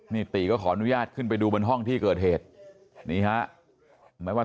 นี่ตีก็ขออนุญาตขึ้นไปดูบนห้องที่เกิดเหตุนี่ฮะไม่ว่า